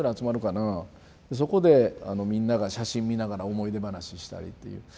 そこでみんなが写真見ながら思い出話したりっていう。